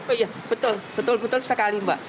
oh iya betul betul sekali mbak